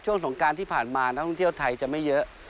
สงการที่ผ่านมานักท่องเที่ยวไทยจะไม่เยอะ